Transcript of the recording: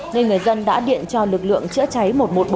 nên người dân đã điện cho lực lượng chữa cháy một trăm một mươi bốn